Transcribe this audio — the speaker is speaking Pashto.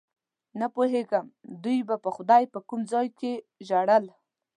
نه پوهېږم دوی به خدای ته په کوم ځای کې ژړل.